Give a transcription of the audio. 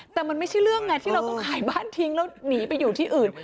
แต่มันไม่ใช่เรื่องไงที่เราต้องขายบ้านทิ้งแล้วหนีไปอยู่ที่อื่น